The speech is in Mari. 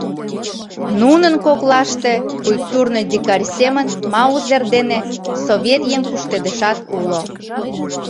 Нунын коклаште культурный дикарь семын маузер дене совет еҥ пуштедышат уло.